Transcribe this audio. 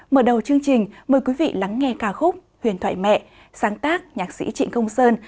mở đầu chương trình mời quý vị lắng nghe ca khúc huyền thoại mẹ sáng tác nhạc sĩ trịnh công sơn